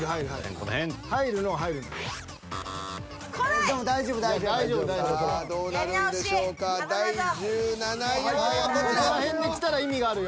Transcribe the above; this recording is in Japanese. この辺できたら意味があるよ。